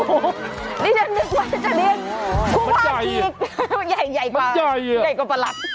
โอ้โฮนี่ฉันนึกว่าจะเรียกผู้ว่าขีกใหญ่กว่าประหลัด